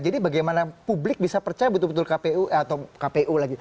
jadi bagaimana publik bisa percaya betul betul kpu atau kpu lagi